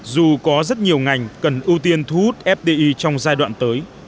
dù có rất nhiều ngành cần ưu tiên thu hút fdi trong giai đoạn tới